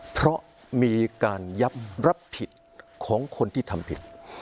เพราะมีการยับรับผิดของคนที่ทำผิด